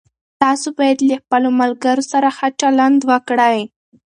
تاسو باید له خپلو ملګرو سره ښه چلند وکړئ.